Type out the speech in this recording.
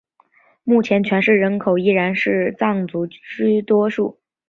目前全市人口中依然是藏族居多数。